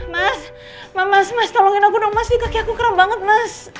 mas mas mas mas tolongin aku dong mas kakek aku kram banget mas